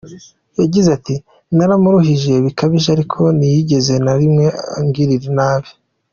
Yagize ati: "Naramuruhije bikabije ariko ntiyigeze na rimwe angirira nabi".